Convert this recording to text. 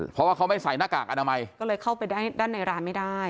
เพราะว่าเขาไม่ใส่หน้ากากอนามัยก็เลยเข้าไปด้านในร้านไม่ได้